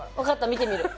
見てみる。